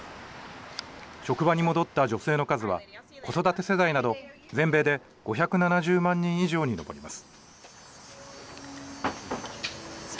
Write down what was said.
職場に戻った女性の数は、子育て世代など全米で５７０万人以上に上ります。